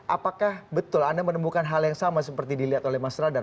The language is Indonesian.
apakah betul anda menemukan hal yang sama seperti dilihat oleh mas radar